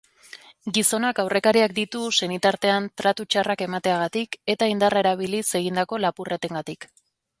Gizonak aurrekariak ditu senitartean tratu txarrak emateagatik eta indarra erabiliz egindako lapurretengatik.